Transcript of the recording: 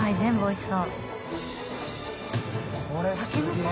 あっおいしそう。